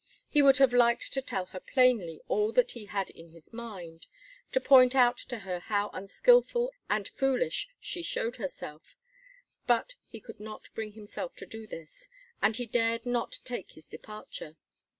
He would have liked to tell her plainly all that he had in his mind, to point out to her how unskillful and foolish she showed herself; but he could not bring himself to do this, and he dared not take his departure.